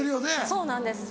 そうなんです